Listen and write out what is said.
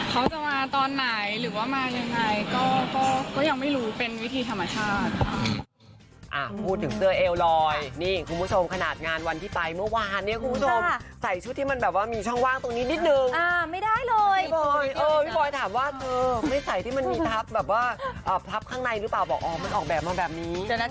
เขาจะมาตอนไหนหรือว่ามายังไงก็ยังไม่รู้เป็นวิธีธรรมชาติค่ะ